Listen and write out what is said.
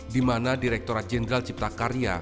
di mana direkturat jenderal cipta karya